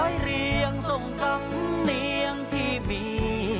เรียงส่งสำเนียงที่มี